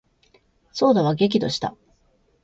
左右田は激怒した。